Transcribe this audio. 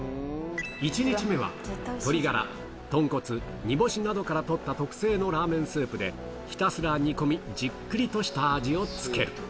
１日目は鶏ガラ、豚骨、煮干しなどからとった特製のラーメンスープでひたすら煮込み、じっくりとした味をつける。